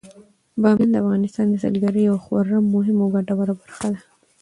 بامیان د افغانستان د سیلګرۍ یوه خورا مهمه او ګټوره برخه ده.